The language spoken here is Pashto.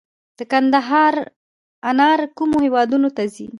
د کندهار انار کومو هیوادونو ته ځي؟